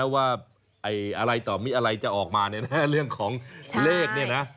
ว่าอะไรต่อมีอะไรจะออกมาเรื่องของเลขเนี่ยนะ